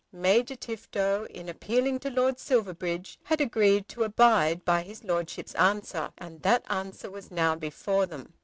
Major Tifto, in appealing to Lord Silverbridge, had agreed to abide by his Lordship's answer, and that answer was now before them.